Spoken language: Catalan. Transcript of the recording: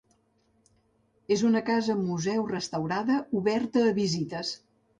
És una casa museu restaurada oberta a visites.